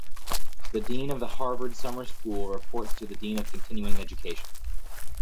The Dean of the Harvard Summer School reports to the Dean of Continuing Education.